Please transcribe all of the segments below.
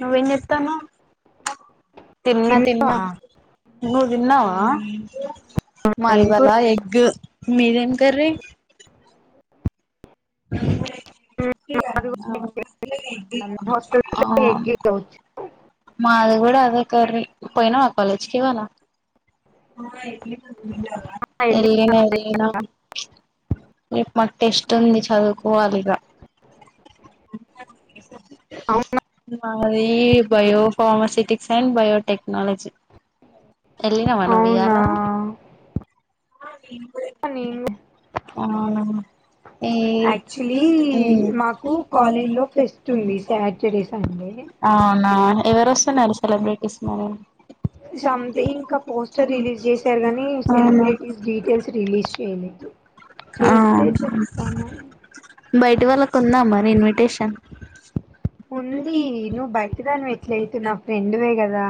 నువ్వేం చేస్తున్నావ్ తిన్న తిన్నా తిన్నావా నువ్వు తిన్నావా మాది ఏం కూర ఇవాళ ఎగ్ మీదేం కర్రీ మాది కూడా ఎగ్ అ హాస్టల్స్ లో ఎగ్ ఏ కావచ్చు మా ది కూడా అదే కర్రీ వెళ్ళి ఎలినా ఎలినా రేప్ మాక్ టెస్ట్ ఉంది చదువుకోవాలి అవునా మరి భయో కామర్సిటిక్ సైన్ బయోటెక్నాలజీ నా అదేం అనెను అనా ఏ యాక్చువల్లీ యూ మాకు కాలేజ్లో ఫెస్ట్ ఉంది సాటర్డే సండే అవునా ఎవరు వస్తున్నారు సెలబ్రిటీస్ మరి సథింగ్ ఇంకా పోస్టర్ రిలీజ్ చేసారు కానీ అవును సెలబ్రిట టీజ్ డీటెయిల్స్ రిలీజ్ చెయ్యలేదు ఆ బయట వాళ్లకు కొందాం మరి ఇన్విటేషన్ ఉంది నువ్వు బయట దాని ఎట్లయితే నా [unintelligible] ఫ్రెండ్వే కదా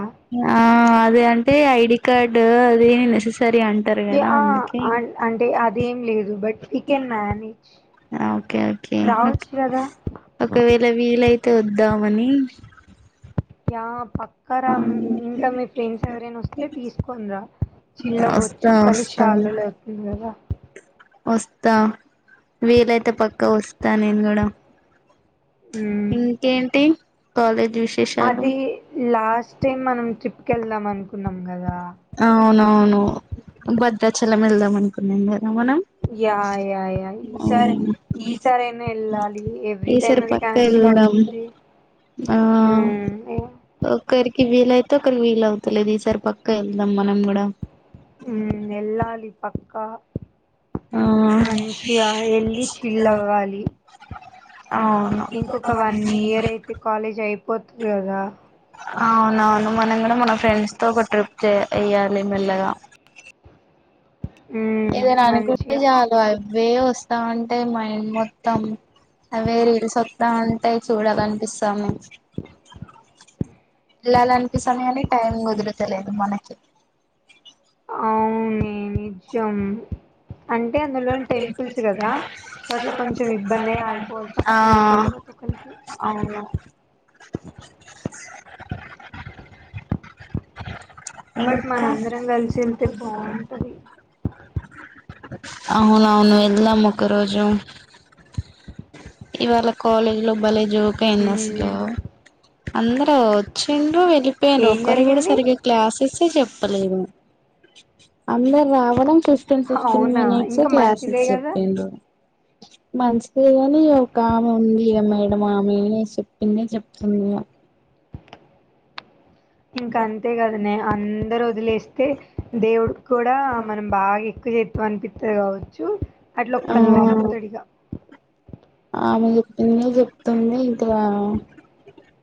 ఆ అదే అంటే ఐడి కార్డు అదే సరే అంటారు కదా యా, అందుకే అన్- అంటే అదేం లేదు బట్ వీ కెన్ మేనేజ్ ఆ ఓకే ఓకే రావచ్చు కదా ఒకవేళ వీలు అయి తు ద్దామని య పక్క రా ఇమ్ ఇంకా మీ ఫ్రెండ్స్ ఎవరైనా వస్తే తీసుకోని రా చిల్ అవ్వచ్చు వస్తా కలిసి వస్తా చాలా రోజులవుతుంది కదా వస్తా వీలైతే పక్కా వస్తా నేను కూడా మ్మ్. ఇంకేంటి విశేషాలు అది లాస్ట్ టైం మనం ట్రిప్ కే వెళ్దాం అనుకున్నాం కదా అవును అవును భద్రాచలం వెళ్దాం అనుకున్నాం క యా యా యా ఈ సారి అవును ఈసారి అయినా ఎల్లాలి ఎవరీ టైమ్ అది క్యాన్సిల్ అవుతుంది మ్మ్, ఏ- ఒక్కరికి వీలు తుకన్ వీలు అవుతలేదు ఈసారి పక్క వెళ్దాం మనం కూడా ఉ ఎల్లాలి పక్కా ఆ మంచిగా ఎల్లి చిల్ అవ్వాలి అవును ఇంకొక వన్ ఇయర్ అయితే కాలేజీ అయిపోతుంది కదా అవునవును మనం కూడా మన ఫ్రెండ్స్ తో ఒక ట్రిప్ చే ఎయ్యాలి మెల్లగా హ్మ్ ఏదైనా అనుకుంటే మంచిగా చాలు అవే వస్తా ఉంటాయి మైండ్ మొత్తం అవే రీల్స్ వస్తా ఉంటాయి చూడాలనిపిస్తోంది వెళ్లాలనిపిస్తోంది కానీ టైం కుదరత లేదు మనకి ఆ నిజం అంటే అందులోని టెంపుల్స్ కదా సో అట్ల కొంచెం ఇబ్బంది అయిపోవాల్సి ఆ వస్తుంది ఒకరి తర్వాత ఒకరికి అవును బట్ మనందరం కలిసి వెళ్తే ఇంకా బాగుంటది అవునవును వెళ్దాం ఒక్క రోజు ఇవాళ కాలేజ్ లో భలే జోక్ అయింది అస్ హ్మ్ లు అందరు వచ్చిండ్రు వెళ్ళిపెండ్రు ఏం ఒక్కరు కూడా జరిగింది సరిగె క్లాసెస్ కీ చెప్పలేదు అందర్ రావడం ఫిఫ్ టీన్ ఫిఫ్ టీన్ అవునా మీనీట్స్ ఇంకా క్లాసెస్ మంచిదే కదా చెపిండ్రు మంచ్ దేగాని ఒక ఆమె ఉంది ఇగ మేడం ఆమె చెప్పిందే చెప్ ఉనయా ఇంకా అంతే గదనే అందరు వొదిలేస్తే దేవుడిక్ కూడా మనం బాగా ఎక్కువ చే త్ వన్ పిత్తది గావచ్చు అట్ల ఆ ఒక్కల్ నీ పంపుతడు ఇగ ఆమె చెప్పిందె చెప్తుంది ఇంతీగ [unintelligible]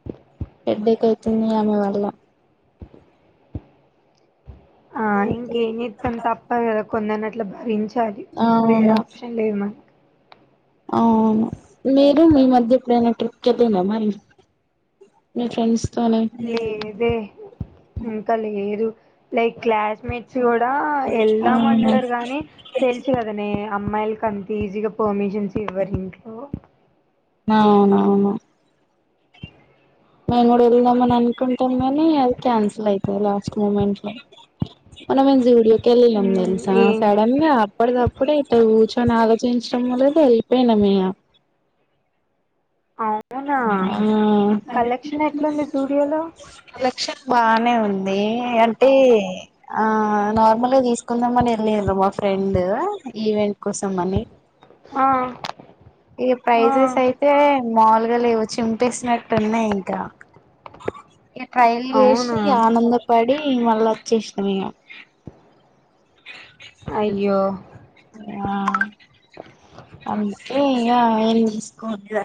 హెడేక్ అయితుంది అమె వాళ్ళ ఆ ఇంకేం చెత్తం తప్పదు గదా కొందర్ని అట్ల భరించ్ తా లి వేర్ అవును ఆప్షన్ లేదు మనక్ అవును మీరు మీ మధ్య ఎప్పుడైనా ట్రిప్ కేల్లిన్ రా మరి మీ ఫ్రెండ్స్ తోని లేదే ఇంకా లేదు లైక్ క్లాస్ మేట్స్ కూడా అవునా ఎల్దామంటర్ గానీ తెలుస్ గదనే అమ్మాయిల్ క్.. అంత ఈజీగా పర్మిషన్స్ ఇవ్వరు ఇంట్లో... న అవునవును మేము కూడా ఎల్ దాము మన్ అన్ కుంటాం గానీ అది క్యాన్సిల్ అయితది లాస్ట్ మూమెంట్ లో మొన్న మేమ్ జూడియోకి కేళ్ళిలమ్ మ్మ్ తెలుసా ఏం సడన్ గా అప్పటిదప్పుడే ఇట్ల కూర్చొని ఆలోచిం షమ్మ లేదు ఎల్లిపెయినమ్ ఇగ అవునా ఆ కలెక్షన్ ఎట్లుంది జూడియోలో కలేక్షన్ బానే ఉంది అంటే ఆ.. నార్మల్ గ్ తీస్ కొందామని ఎల్లిర్ మా ఫ్రెండు ఈవెంట్ కోసం అని ఆ ఇగ ఆ ప్రైజెస్ అయితే మాల్ గా లేవు చింపేసినట్టు.. ఉన్నాయ్ ఇంకా... ఇగ ట్రైల్ అవునా జేశి ఆనందపడి ఇ మళ్ళా వచ్చ్ శేష్ నమీగా.. అయ్యో.. ఆ అందుకే ఇగ ఏం తీసుకొలే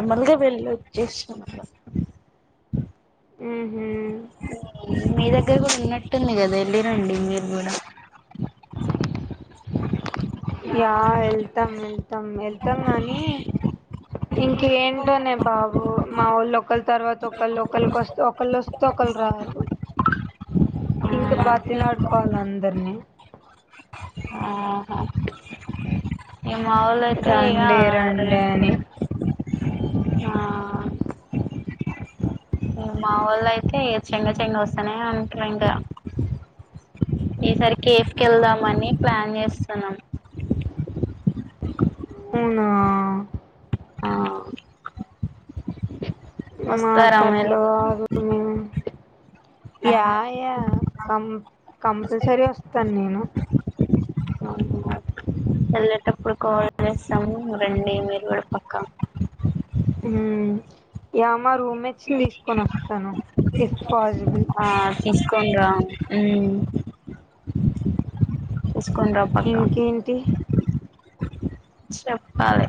ర్ మాల్ గా వెలోచ్ చేసినమ్ [inaudible] హ్మ్ హ్మ్ మెదక్ దగర్ ఉన్నట్టుంది గదా ఎల్లిరండి మీరు కూడా యా ఎళ్తమ్ ఎళ్తామ్ ఎళ్తమ్ గానీ ఇంకెన్ ఏంటోనే బాబు మా వోళ్ళో ఒకళ్ తర్వాత ఒకళ్ ఒకళ్ కోస్తే ఒకళ్ ఒస్ ఒకల్ రారు అవును ఇంక్ బతిలాడుకోవాలి అందర్ని ఆహ య [unintelligible] మావోలయితే ఇగ రండి రండి అని ఆ మావోలయి తే చెంగ చెంగా వస్తానే ఉంట్రూ ఇంకా.. ఈసారి కేఫ్ కెల్ దామని ప్లాన్ చేస్తున్నాం అవునా... ఆ.. వస్తారా మాకు మీరు అట్లా కూడా కాదు మేము యా యా కం కంప ల్ సరి వస్తాన్ నేను [inaudible] ఎళ్ళేటప్పుడ్ కాల్ జెస్తము రండి మీరు కూడా పక్క మ్మ్. య మా రూమెట్స్ శిందిస్ తీస్ కొనస్తాను ఇస్ పాసిబుల్ ఆ తీసుకొని రా ఉమ్ తీసుకొని రా పక్క ఇంకేంటి చెప్పాలి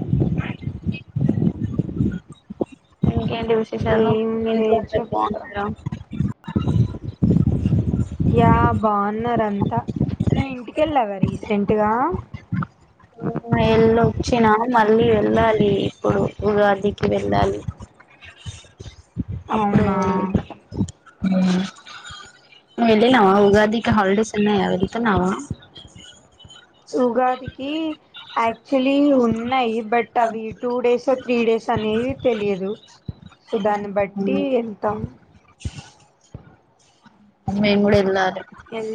ఎ విశేషాలు మీ ఏంది ఇంట్లో అందరు చెప్తా బాగున్నారా యా బాగున్నారు అంత్ తా నువ్వు ఇంటికెళ్ళావా రీసెంటుగా ఎల్ళొచ్చినా మళ్ళీ వెళ్ళాలి ఇప్పుడు ఉగాదికి వెళ్ళాలి అవునా ఉమ్ వెళ్ళీనావా ఉగాదికి హాలిడేస్ ఉన్నయా వెళ్తున్నావా ఉగాదికి యాక్చువలీ ఉన్నాయి బట్ అవి టూ డేస్ త్రీ డేస్ అనేవి తెలియదు సో దాన్ని బట్టి వెళ్తాం నేను కూడా వెళ్ళాలి ఎల్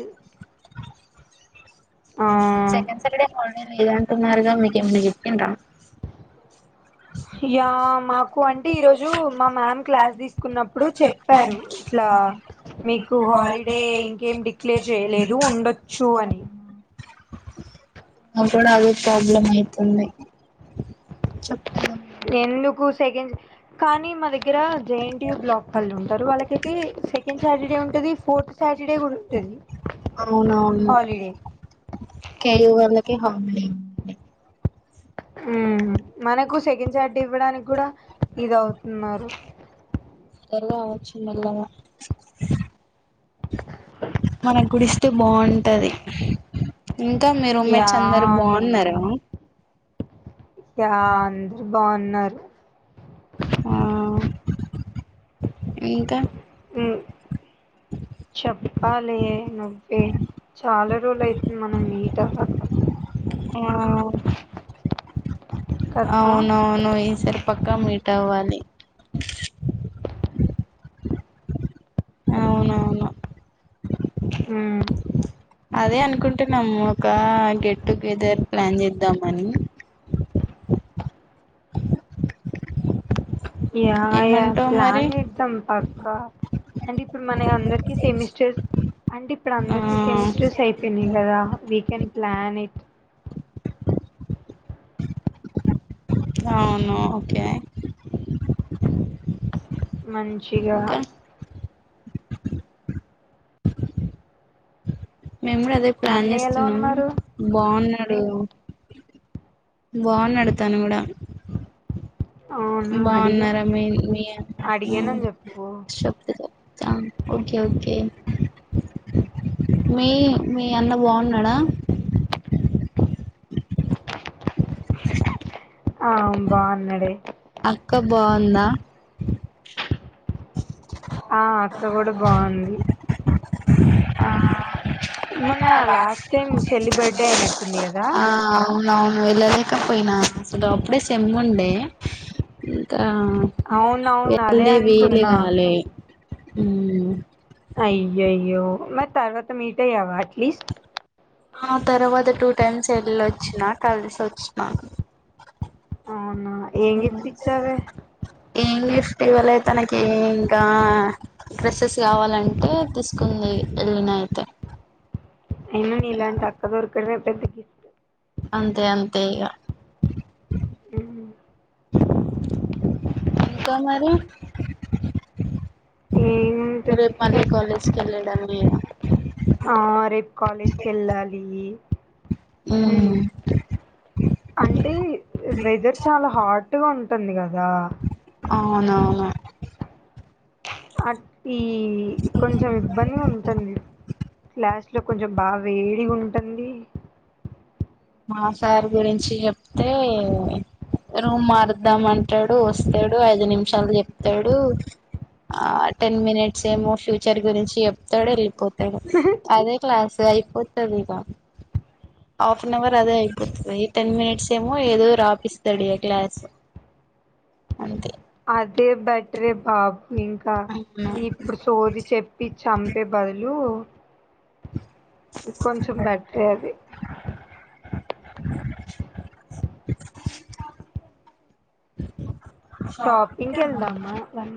ఆ ఊ సెకండ్ సాటర్డే హాలిడే లేదంటున్నారుగా మీకేమన్న చెప్పండ్రా యా మాకు అంటే ఈరోజు మా మ్యామ్ క్లాస్ తీసుకున్నప్పుడు చెప్పారు ఇట్ల అ మీకు హాలిడే ఇంకేం డిక్లేర్ చేయలేదు ఉండొచ్చు అని అప్పుడు అదె ప్రాబ్లమ్ అయితుంది చె ఎందుకు సెకండ్ కానీ మా దగ్గర జెఎన్టియు బ్లాక్ కళ్ళు ఉంటారు వాళ్ళకైతే సెకండ్ సాటర్డే ఉంటది ఫోర్త్ సాటర్డే కూడా ఉంటది అవునవును హాలిడే కేయూ వాళ్ళకే హాంబ్లింగ్ ఉ ఉమ్ మనకు సెకండ్ సాటర్డే ఇవ్వడానికి కూడా ఇది అవుతున్నారు. [unintelligible] అవచ్చు మెల్లగా మన కూడా ఇస్తే బాగుంటది ఇంకా మీ రూమ్మేట్స్ అందరు యాని బావున్నారా యా అందరు బావున్నారు ఊ ఇంకా ఉమ్ చెప్పాలి నువ్వే చాలా రోజులు అయితుంది మనం మీట్ అవ్వక ఊ కదా అవునవును ఈసరి పక్క మీట్ అవ్వాలి అవునవును హు అదే అనుకుంటున్నాము ఒక గెట్ టుగెదర్ ప్లాన్ చేద్దామని యా య ఏమంటావు మరి ప్లాన్ చేద్దాం పక్క అంటే ఇప్పుడు మన అందరికి సెమిస్టర్స్ అంటే ఇప్పుడు ఆ అందరికి సెమిస్టర్స్ అయిపోయినాయి కదా వీకెండ్ ప్లాన్ ఏట్ అవునా ఓకే మంచిగా ఇంకా మేము కూడా అదే ప్లాన్ అన్నయ్య ఎలా చేస్తున్నాం ఉన్నారు బాగున్నాడు బాగున్నాడు తను కూడా అవునా అడిగా బాగున్నారా మీ మీ అడిగానని చెప్పు [unintelligible] ఆ ఓకే ఓకే మీ మీ అన్న బాగున్నాడా ఆ బాగున్నడు ఏ అక్క బాగుందా ఆ అక్క కూడా బావుంది మొన్న లాస్ట్ టైమ్ చెల్లి బర్త్డే అయినట్టుంది కదా ఆ అవునవును వెళ్ళలేకపోయినా అసలు అప్పుడే సేమ్ ఉండే ఆ అవునవును అదే వెళ్ళే వీలు అనుకున్నా గాలే మ్ అయ్యాయో మరి తర్వాత మీట్ అయ్యావా అట్లీస్ట్ ఆ తర్వాత టూ టైమ్స్ వెళ్ళొచ్చినా కలిసి వచ్చినా అవునా ఏం గిఫ్ట్ ఇచ్చావే ఏం గిఫ్ట్ ఇవ్వలే తనకి ఇంకా డ్రెస్సెస్ కావాలంటే తీసుకుంది వెళ్లిన అయితే అయినా నీలాంటి అక్క దొరకడమే పెద్ద గిఫ్ట్ అంతే అంతే ఇగా ఉ ఇంకా మరి రేపు ఏముంటది మళ్ళీ కాలేజ్ కి వెళ్ళడమే ఇగ ఆ రేపు కాలేజ్ కి వెళ్ళాలి ఉమ్, మ్ అంటే వెదర్ చాలా హాట్ గా ఉంటుంది కదా అవునవును అ ఇ కొంచెం ఇబ్బంది గా ఉంటుంది క్లాస్ లో కొంచెం బాగా వేడిగా ఉంటుంది మా సార్ గురించి చెప్తే రూమ్ మారుద్దాం అంటడు వస్తడు ఐదు నిమిషాలు చెప్తడు ఆ టెన్ మినిట్స్ ఏమో ఫ్యూచర్ గురించి చెప్తడు వెళ్ళిపోతడు అదే క్లాస్ అయిపోతదిగా ఆఫ్ అన్ అవర్ అదే అయిపోతది టెన్ మినిట్స్ ఏమో ఏదో రాపిస్తాడు ఇగా గ్లాస్ అంతే అదే బెటరె బాబ్ ఇంకా అవునా ఇప్పుడు సోది చెప్పి చంపే బదులు కొంచెం బెటరే అది షాపింగ్ కి వెళ్దామా వన్